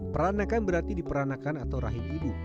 peranakan berarti diperanakan atau rahim ibu